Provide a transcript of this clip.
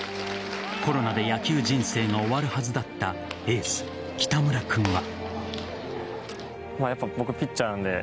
コロナで野球人生が終わるはずだったエース・北村君は。